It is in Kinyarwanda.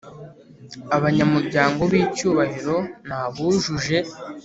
Abanyamuryango b icyubahiro ni abujuje